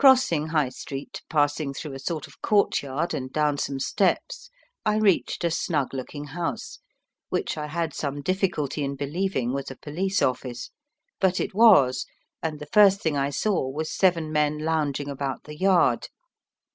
Crossing High Street, passing through a sort of courtyard, and down some steps, I reached a snug looking house, which I had some difficulty in believing was a police office. But it was, and the first thing I saw was seven men lounging about the yard.